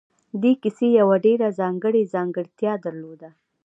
دې کیسې یوه ډېره ځانګړې ځانګړتیا درلوده